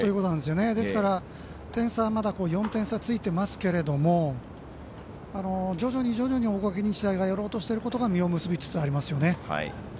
ですから、点差はまだ４点差ついてますけれども徐々に大垣日大がやろうとしていることが実を結びつつありますよね。